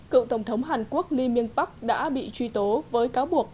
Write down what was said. cựu tổng thống hàn quốc lee myung pak đã bị truy tố với cáo buộc